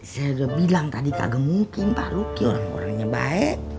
saya sudah bilang tadi kagak mungkin pak lucky orang orangnya baik